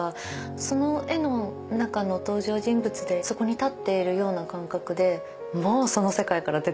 その絵の中の登場人物でそこに立っているような感覚でもうその世界から出てこれなくなっちゃいますね。